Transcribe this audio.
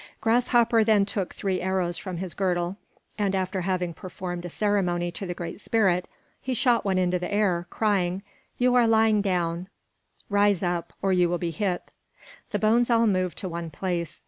Grasshopper then took three arrows from his girdle, and after having performed a ceremony to the Great Spirit, he shot one into the air, crying: "You are lying down; rise up, or you will be hit!" The bones all moved to one place.